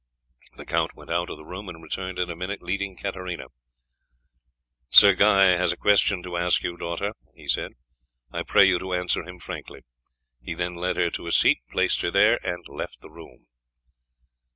He went out of the room, and returned in a minute leading Katarina. "Sir Guy has a question to ask you, daughter," he said; "I pray you to answer him frankly." He then led her to a seat, placed her there and left the room.